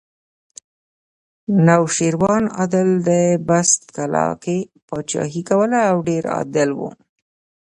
نوشیروان عادل د بست کلا کې پاچاهي کوله او ډېر عادل و